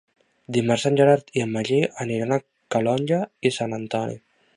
Dimarts en Gerard i en Magí aniran a Calonge i Sant Antoni.